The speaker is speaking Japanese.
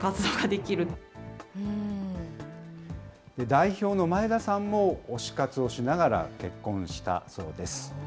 代表の前田さんも、推し活をしながら結婚したそうです。